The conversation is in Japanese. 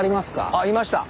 あいました。